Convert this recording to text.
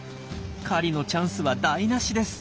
狩りのチャンスは台なしです。